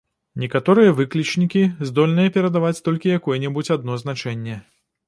Некаторыя выклічнікі здольныя перадаваць толькі якое-небудзь адно значэнне.